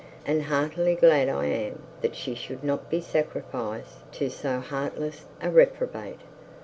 And heartily glad I am that she should not be sacrificed to so heartless a reprobate.'